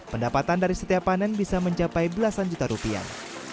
pendapatan dari setiap panen bisa mencapai belasan juta rupiah